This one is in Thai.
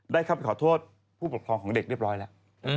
ได้เข้าไปขอโทษผู้ปกครองของเด็กเรียบร้อยแล้ว